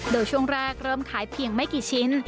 โดยช่วงแรกเริ่มขายเพียงไม่กี่ชิ้น